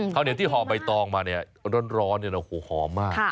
ข้าวเหนียวที่ห่อใบตองมาเนี่ยร้อนหอมมาก